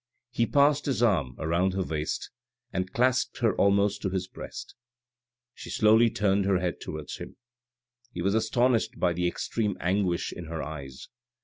He passed his arm around her waist, and clasped her almost to his breast. She slowly turned her head towards him. He was astonished by the extreme anguish in her eyes.